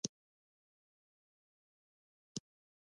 مصنوعي ځیرکتیا د رسنیو بڼه بدلوي.